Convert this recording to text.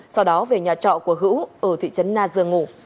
sau đó về nhà trọ của hữu ở thị trấn na dương ngủ